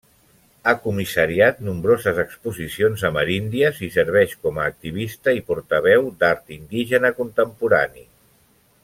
Ha comissariat nombroses exposicions ameríndies i serveix com a activista i portaveu d'art indígena contemporani.